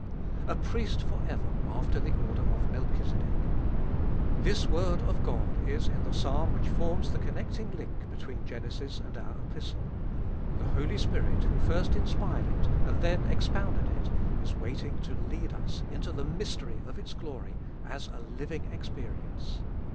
A Priest for ever after the order of Melchizedek. This word of God is in the Psalm which forms the connecting link between Genesis and our Epistle. The Holy Spirit who first inspired it, and then expounded it, is waiting to lead us into the mystery of its glory, as a living experience.